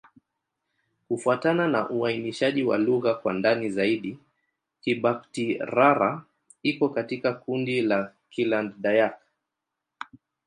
Kufuatana na uainishaji wa lugha kwa ndani zaidi, Kibakati'-Rara iko katika kundi la Kiland-Dayak.